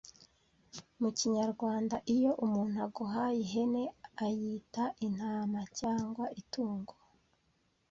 mu Kinyarwanda, iyo umuntu aguhaye ihene ayita intama cyangwa itungo,